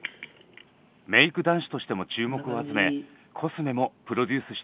メイク男子としても注目を集めコスメもプロデュースしています。